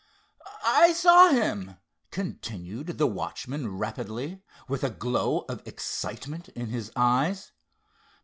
"I saw him," continued the watchman rapidly, with a glow of excitement in his eyes.